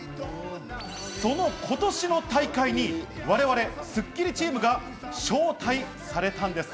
その今年の大会に我々、スッキリチームが招待されたんです。